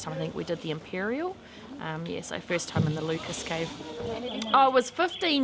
tak jarang gua ini dijadikan tempat berlangsungnya upacara pernikahan